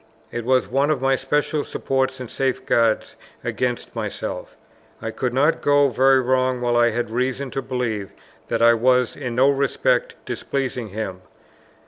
It was one of my special supports and safeguards against myself; I could not go very wrong while I had reason to believe that I was in no respect displeasing him.